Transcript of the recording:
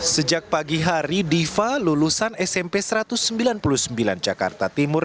sejak pagi hari diva lulusan smp satu ratus sembilan puluh sembilan jakarta timur